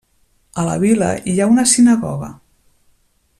A la vila hi ha una sinagoga.